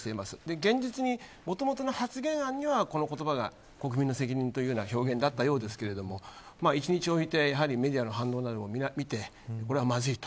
現実にもともとの発言案にはこの言葉が国民の責任という表現だったそうですが１日置いてメディアの反応などを見てこれはまずいと。